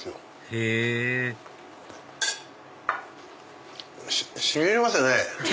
へぇしびれますね。